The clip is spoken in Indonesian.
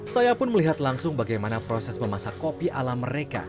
saya pun melihat langsung bagaimana proses memasak kopi ala mereka